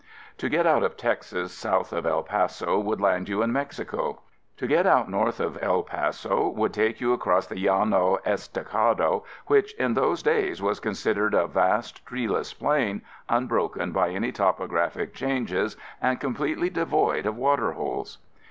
To get out of Texas south of El Paso would land you in Mexico. To get out north of El Paso would take you across the Llano Estacado which in those days was considered a vast treeless plain, unbroken by any topographic changes, and completely devoid of water holes.